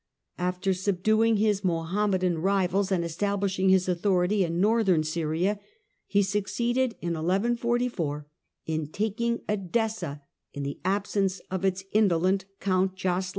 After subduing his Mohammedan rivals and establishing his authority in Northern Syria, he succeeded in 1144 in Capture of Edessa by taking Edessa in the absence of its indolent Count, Zengy.